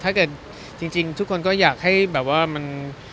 ถ้าเกิดจริงทุกคนก็อยากให้แบบว่ามัน